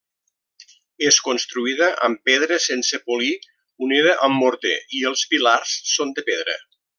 És construïda amb pedra sense polir unida amb morter i els pilars són de pedra.